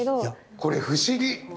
これ不思議！